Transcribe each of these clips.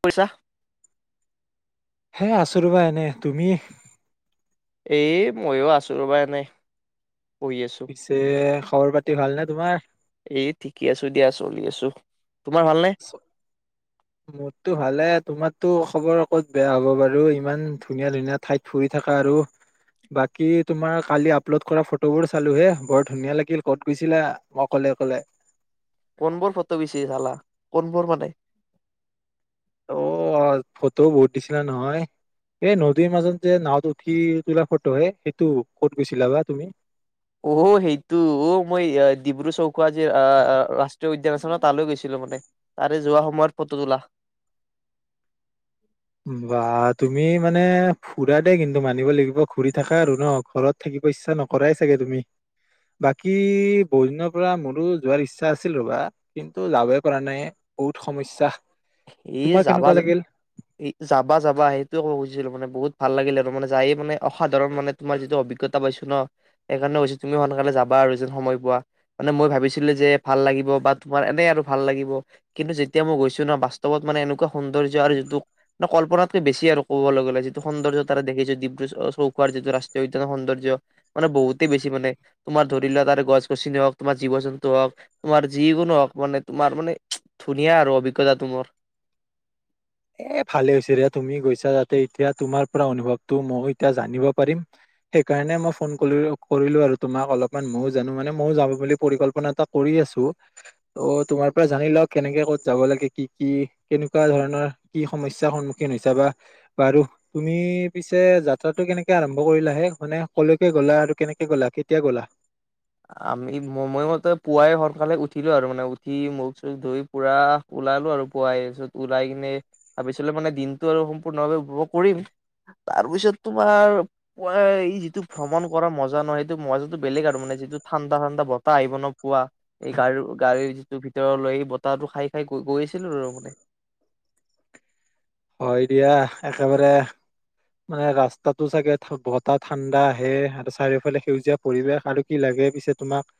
পইচা। হে আছোঁ ৰবা এনে তুমি এ ময়ো আছোঁ ৰ'বা এনেই। বহি আছো। পিছে খবৰ পাতি ভালনে তোমাৰ। এই ঠিকে আছো দিয়া চলি আছোঁ তোমাৰ ভালনে। মোৰটো ভালে তোমাৰতো খবৰ ক'ত বেয়া হ'ব বাৰু ইমান ধুনীয়া ধুনীয়া ঠাইত ফুৰি থাকা আৰু বাকী তোমাৰ কালি আপলোড কৰা ফটোবোৰ চালো হে বৰ ধুনীয়া লাগিল ক'ত গৈছিলা অকলে অকলে। কোনবোৰ ফটো বেচি চালা কোনবোৰ মানে। অ ফটো বহুত দিছিলা নহয় এই নদীৰ মাজত যে নাৱত উঠি তোলা ফটো হে সেইটো ক'ত গৈছিলা বা তুমি। অ সেইটো অ মই ডিব্ৰু চৈখোৱা যে আহ ৰাষ্ট্ৰীয় উদ্যান আছে ন তালৈ গৈছিলোঁ মানে তাৰে যোৱা সময়ত ফটো তোলা। বা তুমি মানে ফুৰা দে কিন্তু মানিব লাগিব ঘুৰি থাকা আৰু ন ঘৰত থাকিব ইচ্ছা নকৰাই চাগে তুমি বাকী বহুদিনৰ পৰা মোৰো যোৱাৰ ইচ্ছা আছিল ৰবা কিন্তু যাবই পৰা নাই বহুত সমস্যা। এ তোমাৰ যাবা কেনেকুৱা যে লাগিল এই যাবা যাবা সেইটোয়ে কব খুজিছিলোঁ মানে বহুত ভাল লাগিলে আৰু মানে যায়ে মানে অসাধাৰণ মানে তোমাৰ যিটো অভিজ্ঞতা পাইছো ন সেইকাৰণে কৈছো তুমি সোনকালে যাবা আৰু যেন সময় পোৱা মানে মই ভাবিছিলো যে ভাল লাগিব বা তোমাৰ এনে আৰু ভাল লাগিব কিন্তু যেতিয়া মই গৈছো ন বা। ত মানে এনেকুৱা সৌন্দৰ্য্য আৰু যিটো মানে কল্পনাতকে বেছি আৰু ক'বলৈ গ'লে যিটো সৌন্দৰ্য্য তাৰে দেখিছোঁ ডিব্ৰু চৈখোৱাৰ যিটো ৰাষ্ট্ৰীয় উদ্যানৰ সৌন্দৰ্য্য মানে বহুতেই বেছি মানে তোমাৰ ধৰি লোৱা তাৰে গছ গছনি হওক তোমাৰ জীৱ জন্তু হওক তোমাৰ যিকোনো হওক মানে তোমাৰ মানে ধুনীয়া আৰু অভিজ্ঞতা তোমাৰ। এ ভালে হৈছে তুমি গৈছা তাতে এতিয়া তোমাৰ পৰা অনুভৱটো ময়ো এতিয়া জানিব পাৰিম সেইকাৰণে মই ফোন কৰিো কৰিলোঁ আৰু তোমাক অলপমান ময়ো জানো মানে ময়ো যাম বুলি পৰিকল্পনা এটা কৰি আছোঁ ত' তোমাৰ পৰা জানি লওঁ কেনেকে ক'ত যাব লাগে কি কি কেনেকুৱা ধৰণৰ। কি সমস্যাৰ সন্মুখীন হৈছা বা বাৰু তুমি পিছে যাত্ৰাটো কেনেকে আৰম্ভ কৰিলা হে মানে কলৈকে গ'লা আৰু কেনেকে গ'লা কেতিয়া গ'লা। আমি ম মই মতে পুৱাই সোনকালে উঠিলোঁ আৰু মানে উঠি মুখ চুখ ধুই পুৰা ওলালোঁ আৰু পুৱা পিছত ওলাই কিনে তাৰ পিছ মানে দিনটো আৰু সম্পূৰ্ণভাৱে উপভোগ কৰিম তাৰপিছত তোমাৰ পুৱাই যিটো ভ্ৰমণ কৰা মজা নহয় সেইটো মজাটো বেলেগ আৰু মানে যিটো। ঠাণ্ডা ঠাণ্ডা বতাহ আহিব নোপোৱা এই গা় গাড়ীৰ যিটো ভিতৰ লৈ সেই বতাহটো খাই খাই গৈ গৈ আছিলোঁ আৰু মানে। হয় দিয়া একেবাৰে। মানে ৰাস্তাটো চাগে বতাহ ঠাণ্ডা আহে আৰু চাৰিওফালে সেউজীয়া পৰিৱেশ আৰু কি লাগে পিছে তোমাক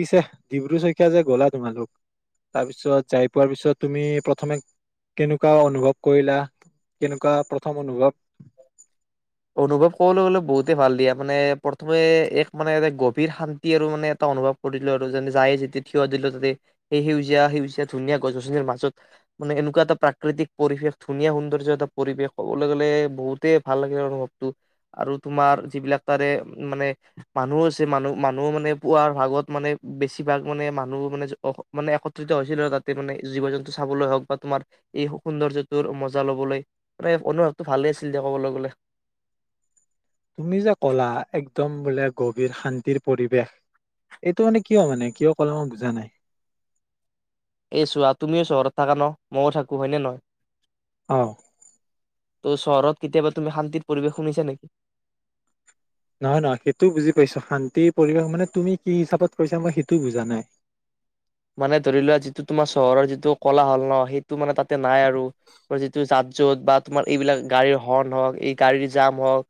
পিছে ডিব্ৰু চৈখোৱা যে গ'লা তোমালোক তাৰপিছত যাই পোৱাৰ পিছত তুমি প্ৰথমে কেনেকুৱা অনুভৱ কৰিলা কেনেকুৱা প্ৰথম অনুভৱ। অনুভৱ ক'বলৈ গলে বহুতে ভাল দিয়া মানে প্ৰথমে এক মানে এ গভীৰ শান্তি আৰু মানে এটা অনুভৱ কৰিলোঁ আৰু যে যায়ে যেতিয়া থিয় দিলো তাতে সেই সেউজীয়া সেউজীয়া ধুনীয়া গছ গছনিৰ মাজত মানে এনেকুৱা এটা প্ৰাকৃতিক পৰিৱেশ ধুনীয়া সৌন্দৰ্য্য এটা পৰিবেশ ক'বলৈ গ'লে বহুতে ভাল লাগে। অনুভৱটো আৰু তোমাৰ যিবিলাক তাৰে মানে মানুহ আছে মানুহ মানুহ মানে পুৱাৰ ভাগত মানে বেছিভাগ মানে মানুহ মানে মানে একত্ৰিত হৈছিল আৰু তাতে মানে জীৱ জন্তু চাবলৈ হওক বা তোমাৰ এই সৌন্দৰ্য্যটোৰ মজা ল'বলৈ অনুভৱটো ভালে আছিল দে ক'বলৈ গলে। তুমি যে ক'লা একদম বোলে গভীৰ শান্তিৰ পৰিৱেশ এইটো মানে কিয় মানে কিয় ক'লা মই বুজা নাই। এই চোৱা তুমিও চহৰত থাকা ন ময়ো থাকোঁ হয়নে নহয়। অ ত' চহৰত কেতিয়াবা তুমি শান্তিৰ পৰিৱেশ শুনিছা নেকি নহয় নহয় সেইটোও বুজি পাইছো শান্তি পৰিৱেশ মানে তুমি কি হিচাপত কৰিছা মই সেইটোও বুজা নাই মানে ধৰি লোৱা যিটো তোমাৰ চহৰৰ যিটো কলা হল ন সেই টো মানে তাতে নাই আৰু যিটো যা য'ত বা তোমাৰ এইবিলাক গাড়ীৰ হৰ্ণ হওক এই গাড়ীৰ জাম হওঁক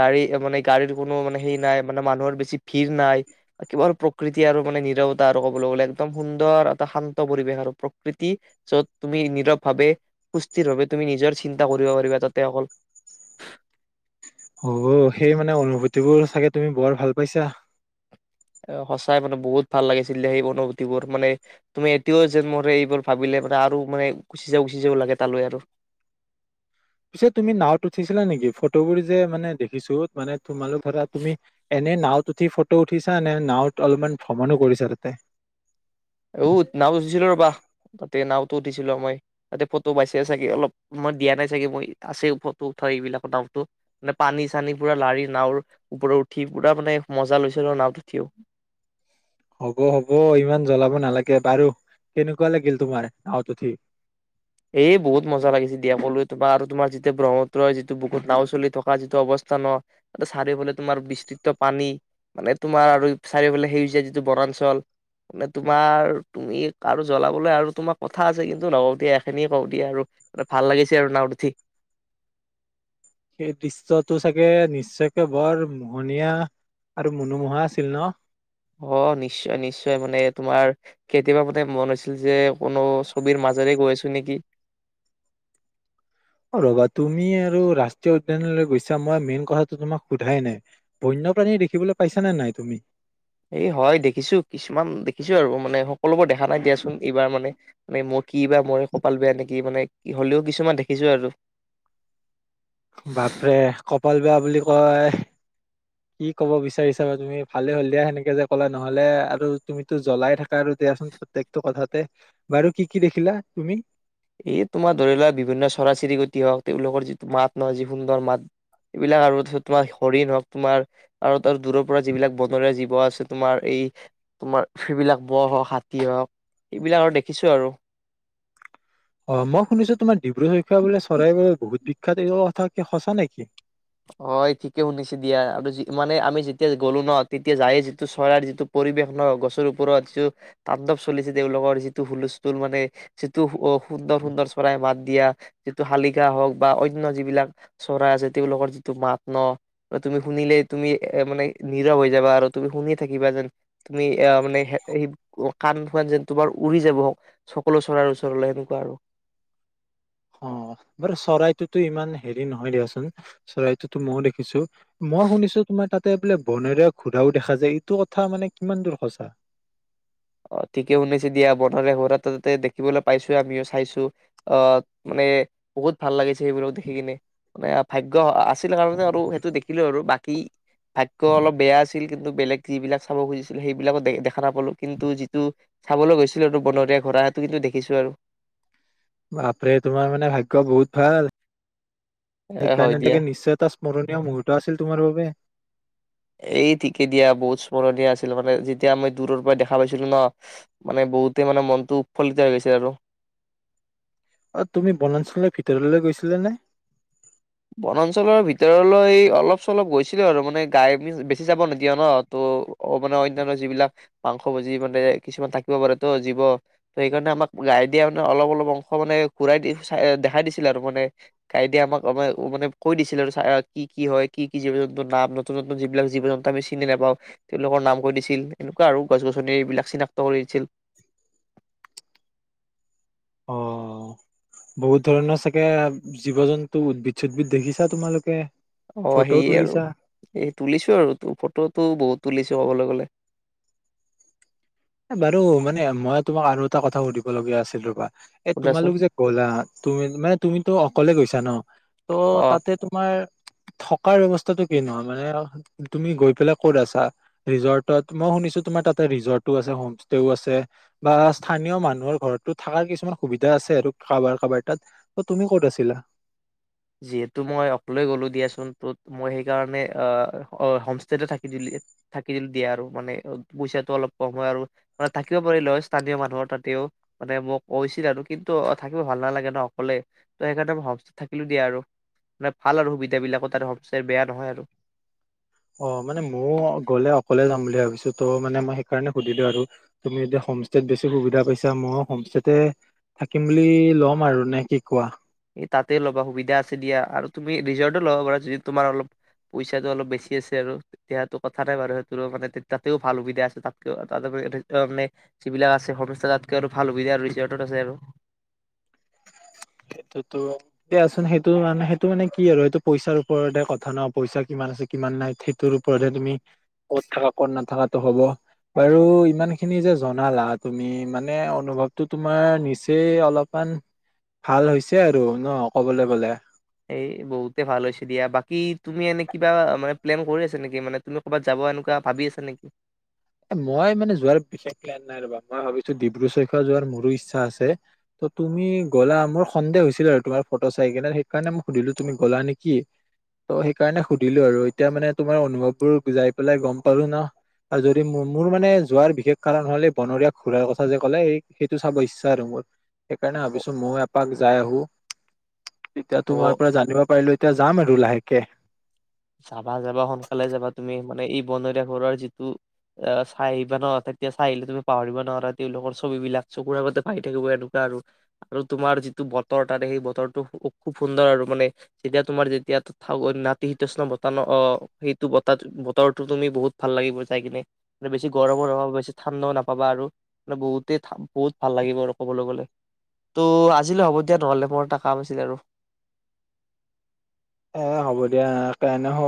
গাড়ী মানে গাড়ীৰ কোনো মানে হেই নাই মানে মানুহৰ বেছি ভিৰ নাই কিবা প্ৰকৃতি আৰু মানে নিৰৱতা আৰু ক'বলৈ গ'লে একদম সুন্দৰ এটা শান্ত পৰিৱেশ আৰু প্ৰকৃতি যত তুমি নীৰৱ ভাৱে সুস্থিৰভাৱে তুমি নিজৰ চিন্তা কৰিব পাৰিবা তাতে অকল অ' সেই মানে অনুভূতিবোৰ চাগে তুমি বৰ ভাল পাইছা সঁচাই মানে বহুত ভাল লাগিছিল সেই অনুভূতি বোৰ মানে তুমি এতিয়াও যোনবোৰ এইবোৰ ভাবিলে মানে আৰু মানে গুচি যাও গুচি যাও লাগে তালৈ আৰু পিছে তুমি নাওত উঠিছিলা নেকি ফটোবোৰ যে মানে দেখিছো মানে তোমালোক ধৰা তুমি এনে নাওত উঠি ফটো উঠিছা নে নাওত অলপমান ভ্ৰমণো কৰিছা তাতে অ নাও উঠিছিলো ৰবা তাতে নাওটো উঠিছিলো মই তাতে ফটো পাইছে চাগে অলপ মই দিয়া নাই চাগে মই আছে ফটো উঠাৰ এইবিলাকৰ নাওটো মানে পানী চানী পুৰা লাৰি নাওৰ ওপৰৰত উঠি পুৰা মানে মজা লৈছিলো নাওত উঠিও হ'ব হ'ব ইমান জ্বলাব নালাগে বাৰু কেনেকুৱা লাগিল তোমাৰ নাওত উঠি এ বহুত মজা লাগিছে দিয়া কলো তোমাৰ আৰু তোমাৰ যেতিয়া ব্ৰহ্মুত্ৰৰ যিটো বুুকুত নাও চলি থকা যিটো অৱস্থান ন চাৰিওফালে তোমাৰ বিস্তৃত পানী মানে তোমাৰ আৰু চাৰিওফালে সেউজীয়া যিটো বনাঞ্চল মানে তোমাৰ তুমি আৰু জ্বলাবলৈ আৰু তোমাৰ কথা আছে কিন্তু নকওঁ দিয়া সেইখিনিয়ে কওঁ দিয়া আৰু ভাল লাগিছে আৰু নাওত উঠি সেই দৃশ্যয়টো চাগে নিশ্চয়কে বৰ মোহনীয়া আৰু মনোমোহা আছিল ন অ নিশ্চয় নিশ্চয় মানে তোমাৰ কেতিয়াবা মানে মন হৈছিল যে কোনো ছবিৰ মাজৰে গৈ আছো নেকি অ ৰবা তুমি আৰু ৰাষ্ট্ৰীয় উদ্যানলৈ গৈছা মই মেইন কথাটো তোমাক সোধাই নাই বন্যপ্ৰাণী দেখিবলৈ পাইছানে নাই তুমি এই হয় দেখিছো কিছুমান দেখিছো আৰু মানে সকলোবোৰ দেখা নাই দিয়াচোন এইবাৰ মানে মানে মোৰ কি বা মই কপাল বেয়া নেকি মানে কি হলেও কিছুমান দেখিছো আৰু বাপৰে কপাল বেয়া বুলি কয় কি কব বিচাৰিছা বাৰু তুমি ভালে হল দিয়া সেনেকে যে কলা নহলে আৰু তুমিতো জ্বলাই থাকা আৰু দিয়াচোন প্ৰতেয়েকটো কথাতে বাৰু কি কি দেখিলা তুমি? এই তোমাৰ ধৰি লোৱা বিভিন্ন চৰাই চিৰিকটি হওক তেওঁলোকৰ যিটো মাত নহয় যি সুন্দৰ মাত সেইবিলাক আৰু তোমাৰ হৰিণ হওক তোমাৰ আৰু দূৰৰ পৰা যিবিলাক বনৰীয়া জীৱ আছে তোমাৰ এই তোমাৰ সেইবিলাক ব হওক হাতী হওক সেইবিলাক আৰু দেখিছো আৰু অ মই শুনিছো তোমাৰ ডিব্ৰু চৈখোৱা বোলে চৰাইবোৰ বহুত বিখ্যাত এই কথা কি সঁচা নেকি? অ ঠিকে শুনিছে দিয়া আৰু মানে আমি যেতিয়া গ'লো ন তেতিয়া যায়ে যিটো চৰাই যিটো পৰিৱেশ ন গছৰ ওপৰত যিটো তাণ্ডৱ চলিছে তেওঁওলোকৰ যিটো হুলস্থুল মানে যিটো সুন্দৰ সুন্দৰ চৰাই মাত দিয়া যিটো শালিকা হওক বা অন্য যিবিলাক চৰাই আছে তেওঁলোকৰ যিটো মাত ন তুমি শুনিলেই তুমি এ মানে নিৰৱ হৈ যাবা আৰু তুমি শুনি থাকিবা যেন তুমি এ মানে স কাণ খন যেন তোমাৰ উৰি যাব সকলো চৰাৰ ওচৰলৈ সেনেকুৱা আৰু অ বাৰু চৰাইটোতো ইমান হেৰি নহয় দিয়চোন চৰাইটোতো ময়ও দেখিছো মই শুনিছো তোমাৰ তাতে বোলে বনৰীয়া ঘোৰাও দেখা যায় এইটো কথা মানে কিমান দূৰ সঁচা অ ঠিকেই শুনাইছে দিয়া বনৰীয়া ঘোঁৰা তাতে দেখিবলৈ পাইছো আমিও চাইছো আহ মানে বহুত ভাল লাগিছে সেইবিলাক দেখি কিনে মানে ভাগ্য আছিল কাৰণে আৰু সেইটো দেখিলো আৰু বাকী ভাগ্য অলপ বেয়া আছিল কিন্তু বেলেগ যিবিলাক চাব খুজিছিলে সেইবিলাক দেখা নাপালোঁ কিন্তু যিটো চাবলৈ গৈছিলোটো বনৰীয়া ঘোঁৰা সেইটো কিন্তু দেখিছো আৰু বাপৰে তোমাৰ মানে ভাগ্য বহুত ভাল এ হয় সেইকাৰণে দিয়া নিকে নিশ্চয় এটা স্মৰণীয় মুহূুৰ্ত আছিল তোমাৰ বাবে এই ঠিকে দিয়া বহুত স্মৰণীয় আছিল মানে যেতিয়া মই দূৰৰ পৰা দেখা পাইছিলো ন মানে বহুতে মানে মনটো উৎফুল্লিত হৈ গৈছিল আৰু অ তুমি বনাঞ্চলৰ ভিতৰলৈ গৈছিলা নে বনাঞ্চলৰ ভিতৰলৈ অলপ চলপ গৈছিলো আৰু মানে গাই বেছি যাব নিদিয়ে ন ত অভয়াৰণ্য যিবিলাক মাংস ভুজি মানে কিছুমান থাকিব পাৰে তো জীৱ সেইকাৰণে আমাক গাই দিয়া মানে অলপ অলপ অংশ মানে ঘূৰাই দি দেখাই দিছিলে আৰু মানে গাইডে দিয়া আমাক মানে কৈ দিছিল আৰু কি কি হয় কি কি জীৱ জন্তুৰ নাম নতুন নতুন যিবিলাক জীৱ জন্তু আমি চিনি নাপাওঁ তেওঁলোকৰ নাম কৈ দিছিল এনেকুৱা আৰু গছ গছন এই বিলাক চিনাক্ত কৰিছিল অ বহুত ধৰণৰ চাগে জীৱ জন্তু উদ্ভিদ চদ্ভিদ দেখিছা তোমালোকে অ ফটোও সেয়ে আৰু তুলিছা এই তুলিছো আৰু ফটোতটো বহুত তুলিছো কবলে গ'লে এ বাৰু মানে মই তোমাক আৰু এটা কথা সুধিব লগগীয়া আছিল ৰবা এ সুধাচোন তোমালোক যে ক'লা তুমি মানে তুমিতো অকলে গৈছা জাপ [inaudible] ত' অ তাতে তোমাৰ, থকাৰ বৱস্থাটো কেনেকুৱা মানে তুমি গৈ পেলাই ক'ত আছা ।ৰিজৰ্টত মই শুনিছো তোমাৰ তাতে ৰিজৰ্ট হোম ষ্টেও আছে বা স্থানীয় মানুহৰ ঘৰতো থকাৰ কিছুমান সুবিধা আছে আৰু কাৰাবাৰ কাৰাবাৰ তাত ত। তুমি ক'ত আছিলা যিহেতু মই অকলে গলো দিয়াচোন তত মই সেই কাৰণে আহ হোমষ্টে থাকি দ থাকি দিয়া আৰু মানে পইচাটো অলপ কম হয় আৰু মান থাকিব পাৰিলে ।স্থানীয় মানুহৰ তাতেও মানে মোক উচিত আৰু কিন্তু থাকিব ভাল নালাগে ন অকলে ত সেইকাৰণে মই হোম থ দিয়া আৰু মানে ভাল আৰু সুবিধা বিলাকো তাৰ সচ বেয়া নহয় আৰু অ মানে ময়ো গ'লে অকলে যাম বুলি ভাবিছো ত' মানে মই সেইকাৰণে সুধিলো আৰু তুমি যেতি হোমষ্টত বেছি সুবিধা পাইছা মই হোমষ্টেততে থাকিম বুলি ল'ম আৰু নে কি কোৱা। এই তাতে ল'বা সুবিধা আছে দিয়া আৰু তুমি ৰিজৰ্টো ল'বা পাৰা য তোমাৰ অলপ পইচাটো অলপ বেছি আছে আৰু তেতিয়াটো কথা নাই বাৰু সেইটোৰো মানে তাতেও ভাল সুবিধা আছে তাতকৈ ত মানে যিবিলাক আছে সম তাতকৈ আৰু ভাল সুবিধা আৰু ৰিজৰ্টত আছে আৰু দিয়াচোন সেইটো মানে সেইটো মানে কি আৰু সেইটো পইচাৰ ওপৰতহে কথা ন পইচা কিমান আছে কিমান নাই সেইটোৰ ওপৰতহে তুমি কত থাকা কত নাথাকাতটো হ'ব বাৰু ইমান খিনি যে জনালা তুমি মানে অনুভৱটো তোমাৰ নিচেই অলপমান। ভাল হৈছে আৰু ন ক'বলৈ গ'লে। এই বহুতে ভাল হৈছে দিয়া বাকী তুমি এনে কিবা মানে প্লেন কৰি আছা নেকি মানে তুমি ক'ৰবাত যাব এনেকুৱা ভাবি আছা নেকি। এ মই মানে যোৱাৰ বিশেষ প্লেন নাই ৰবা মই ভাবিছো ডিব্ৰু চৈখোৱা যোৱাৰ মোৰো ইচ্ছা আছে ত তুমি গলা মোৰ সন্দেহ হৈছিল আৰু তোমাৰ ফটো চাই কিনে সেইকাৰণে মই সুধিলো তুমি গলা নেকি ত' সেইকাৰণে সুধিলো আৰু এতিয়া মানে তোমাৰ অনুভৱবোৰ যাই পেলাই গম পালো ন। মোৰ মানে যোৱাৰ বিশেষ কাৰণ হল এই বনৰীয়া খুৰাৰ কথা যে ক'লে সেইটো চাব ইচ্ছা আৰু মোৰ সেইকাৰণে অ ভাবিছো ময়ো এপাক যাই আহো। এতিয়া অ তোমাৰ পৰা জানিব পাৰিলো। এতিয়া যাম আৰু লাহেকে। যাবা যাবা সোনকালে যাবা তুমি মানে এই বনৰীয়া ঘৰৰ যিটো চাই আহিবা ন তেতিয়া চাই আহিলে তুমি পাহৰিব নোৱাৰা তেওঁলোকৰ ছবিবলাক চকুৰ আগতে ভাহি থাকিব এনেকুৱা আৰু তোমাৰ যিটো বতৰ তাৰে সেই বতৰটো খুব সুন্দৰ আৰু মানে যেতিয়া তোমাৰ যেতিয়া নাতি। ষ্ণ বতাহ ন অ সেইটো বতাহ বতৰটো তুমি বহুত ভাল লাগিব যাই কিনে বেছি গৰমো নাপাবা বেছি ঠাণ্ডাও নাপাবা আৰু মানে বহুতেই বহুত ভাল লাগিব আৰু ক'বলৈ গ'লে ত' আজিলৈ হ'ব দিয়া নহ'লে মোৰ এটা কাম আছিল আৰু। এ হ'ব দিয়া, নহ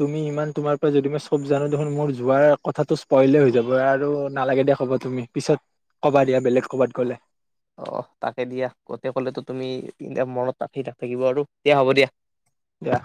তুমি ইমান তোমাৰ পৰা যদি মই চব জানো দেখোন মোৰ যোৱাৰ কথাটো স্পইলে হৈ যাব আৰু নালাগে দিয়া ক'ব তুমি পিছত কবা দিয়া বেলেগ কবাত গ'লে। অ তাকে দিয়া গোতেই কলেতো তুমি মনত তঠি নাথাকিব আৰু দিয়া হ'ব দিয়া। দিয়া।